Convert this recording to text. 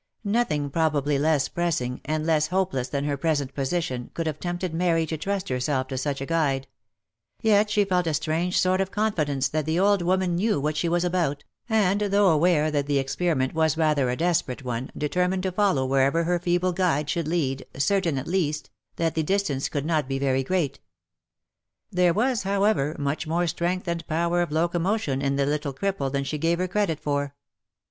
Nothing probably less pressing, and less hopeless than her present position could have tempted Mary to trust herself to such a guide ; yet she felt a strange sort of confidence that the old woman knew what she was about, and though aware that the experiment was rather a OF MICHAEL ARMSTRONG. 269 desperate one, determined to follow wherever her feeble guide should lead, certain, at least, that the distance could not be very great. There was, however, much more strength and power of locomotion in the little cripple than she gave her credit for.